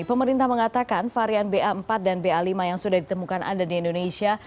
pemerintah mengatakan varian ba empat dan ba lima yang sudah ditemukan ada di indonesia